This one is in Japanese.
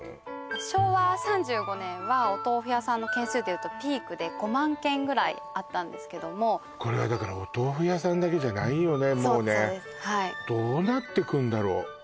昭和３５年はお豆腐屋さんの軒数でいうとピークで５万軒ぐらいあったんですけどもこれはだからお豆腐屋さんだけじゃないよね